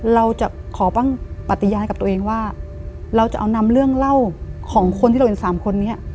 เราจะขอบ้างปฏิญาณกับตัวเองว่าเราจะเอานำเรื่องเล่าของคนที่เราเห็นสามคนนี้